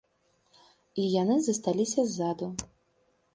І яны засталіся ззаду.